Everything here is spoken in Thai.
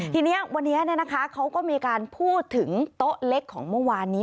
ทีนี้วันนี้เขาก็มีการพูดถึงโต๊ะเล็กของเมื่อวานนี้